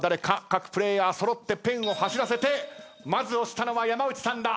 各プレーヤー揃ってペンを走らせてまず押したのは山内さんだ。